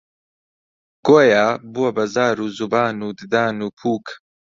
گۆیا بووە بە زار و زوبان و ددان و پووک: